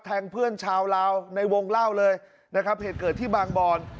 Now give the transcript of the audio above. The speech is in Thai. แทงเพื่อนชาวลาวในวงเล่าเลยนะครับเหตุเกิดที่บางบอน